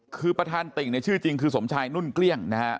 คือประธานติ่งเนี่ยชื่อจริงคือสมชายนุ่นเกลี้ยงนะฮะ